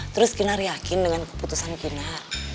terus kinar yakin dengan keputusan kinar